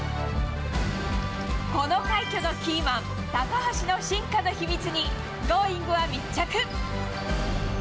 この快挙のキーマン、高橋の進化の秘密に、Ｇｏｉｎｇ！は密着。